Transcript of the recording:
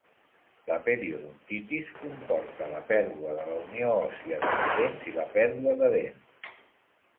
La periodontitis comporta la pèrdua de la unió òssia de les dents i la pèrdua de dents.